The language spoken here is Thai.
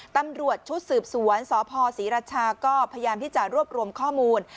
ตำรวจชุดสืบสวนสพศรีราชาก็พยายามที่จะรวบรวมข้อมูล